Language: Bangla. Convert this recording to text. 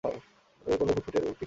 ওদের কোলে ফুটফুটে একটি শিশু।